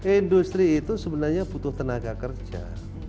industri itu sebenarnya butuh tenaga kerja